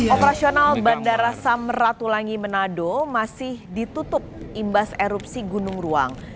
operasional bandara samratulangi manado masih ditutup imbas erupsi gunung ruang